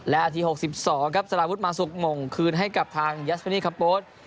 และนาที๖๒ครับสลาวุธมาสุกมงคืนให้กับทางยาสมินี่คัมโปส